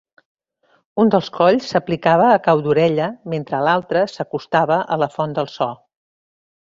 Un dels colls s'aplicava a cau d'orella mentre l'altre s'acostava a la font de so.